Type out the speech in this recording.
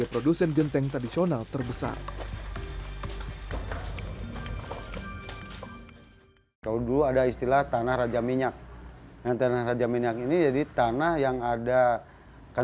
pelabuhan yang mengembangkan